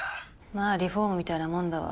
まあリフォームみたいなもんだわ。